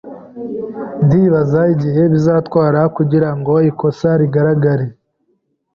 Ndibaza igihe bizatwara kugirango ikosa rigaragare.